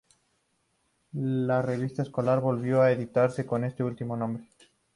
La revista escolar volvió a editarse con este último nombre.